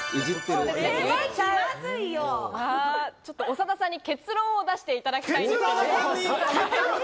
長田さんに結論を出していただきます。